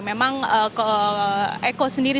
memang eko sendiri